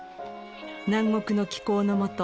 南国の気候のもと